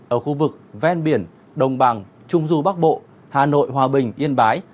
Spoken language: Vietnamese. ở khu vực ven biển đồng bằng trung du bắc bộ hà nội hòa bình yên bái